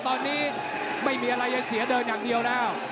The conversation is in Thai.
ตอนนี้ไม่มีอะไรจะเสียเดินอย่างเดียวแล้ว